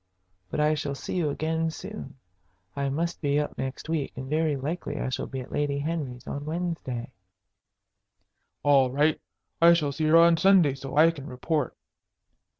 But I shall see you again soon. I must be up next week, and very likely I shall be at Lady Henry's on Wednesday." "All right. I shall see her on Sunday, so I can report."